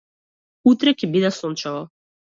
Утре ќе биде сончево.